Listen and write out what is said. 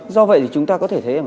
do vậy thì chúng ta có thể thấy